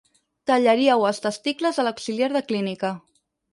Tallaríeu els testicles a l'auxiliar de clínica.